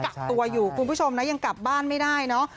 กักตัวอยู่คุณผู้ชมนะยังกลับบ้านไม่ได้เนอะ